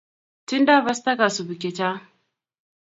Tindo pasta kasubik che chang